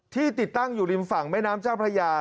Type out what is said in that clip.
ติดตั้งอยู่ริมฝั่งแม่น้ำเจ้าพระยา